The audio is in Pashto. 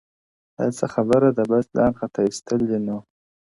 دا څه خبره ده!! بس ځان خطا ايستل دي نو!!